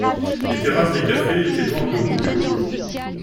Les terrasses des cafés étaient noires de populo.